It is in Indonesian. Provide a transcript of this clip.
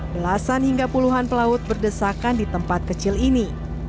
belasan hingga puluhan pelaut berdesakan di tempat kecil ini